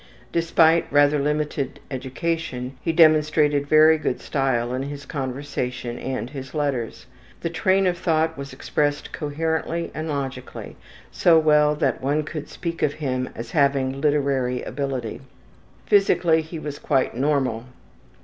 Despite rather limited education he demonstrated very good style in his conversation and his letters. The train of thought was expressed coherently and logically, so well that one could speak of him as having literary ability. Physically he was quite normal.